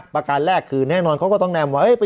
ประการแรกคือแน่นอนเขาก็ต้องแนมไว้